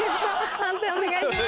判定お願いします。